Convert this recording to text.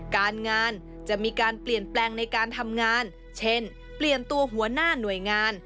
การงานจะมีการเปลี่ยนแปลงในการทำงานเช่นเปลี่ยนตัวหัวหน้าหน่วยงาน